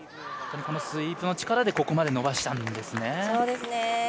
スイープの力でここまで伸ばしたんですね。